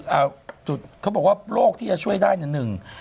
อ่าจุดเขาบอกว่าโรคที่จะช่วยได้เนี่ยหนึ่ง